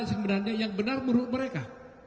sebenarnya yang benar menurut mereka